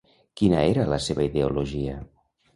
Quina era la seva ideologia?